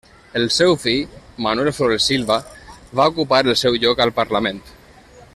El seu fill, Manuel Flores Silva, va ocupar el seu lloc al Parlament.